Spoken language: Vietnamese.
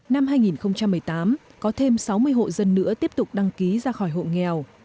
năm hai nghìn một mươi tám có thêm sáu mươi hộ dân nữa tiếp tục đăng ký ra khỏi hộ nghèo